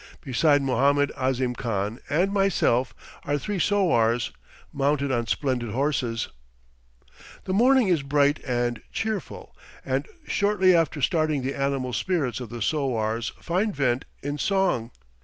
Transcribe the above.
Beside Mohammed Ahzim Khan and myself are three sowars, mounted on splendid horses. The morning is bright and cheerful, and shortly after starting the animal spirits of the sowars find vent in song.